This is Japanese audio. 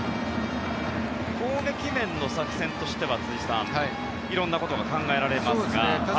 攻撃面の作戦としては、辻さん色んなことが考えられますが。